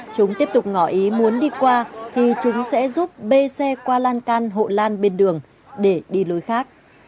chúng tiếp tục ngỏ ý muốn đi qua thì chúng sẽ giúp bê xe qua lan can hộ lan bên đường để đi lối khác